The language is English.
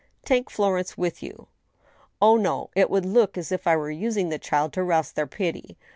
Take Florence with you." " Oh, no ; it would look as if I were using the child to rouse their pity.